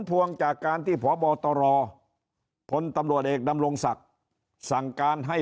พวงจากการที่พบตรพลตำรวจเอกดำรงศักดิ์สั่งการให้